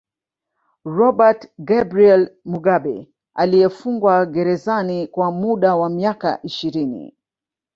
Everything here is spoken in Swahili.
Robert Gabriel Mugabe aliyefungwa gerzani kwa muda wa miaka ishirini